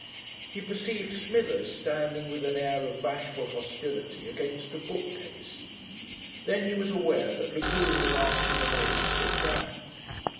He perceived Smithers standing with an air of bashful hostility against a bookcase. Then he was aware that Lagune was asking them all to sit down.